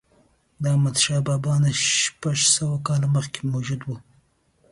د احمدشاه بابا نه شپږ سوه کاله مخکې موجود و.